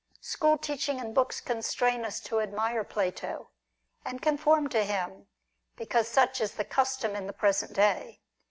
School teaching and books constrain us to admire Plato, and conform to him, because such is the custom in the present day.